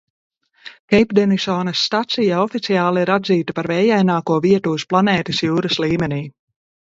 Keipdenisonas stacija oficiāli ir atzīta par vējaināko vietu uz planētas jūras līmenī.